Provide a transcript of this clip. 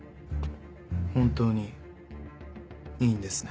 本当にいいんですね？